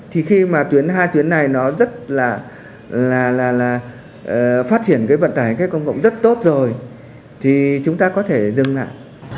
thì khi mà hai tuyến này nó rất là phát triển vận tải công cộng rất tốt rồi thì chúng ta có thể dừng lại